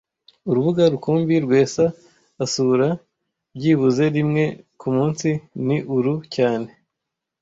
Urubuga rukumbi Rwesa asura byibuze rimwe kumunsi ni uru cyane